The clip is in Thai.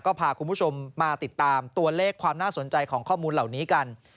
ก็พาคุณผู้ชมมาติดตามตัวเลขความน่าสนใจของข้อมูลเหล่านี้กัน